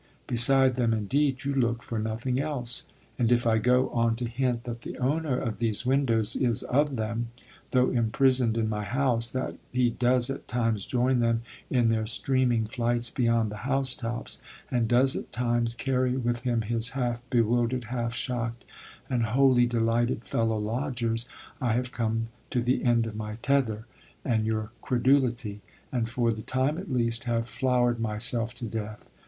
Beside them, indeed, you look for nothing else. And if I go on to hint that the owner of these windows is of them, though imprisoned in my house; that he does at times join them in their streaming flights beyond the housetops, and does at times carry with him his half bewildered, half shocked and wholly delighted fellow lodgers, I have come to the end of my tether and your credulity, and, for the time at least, have flowered myself to death.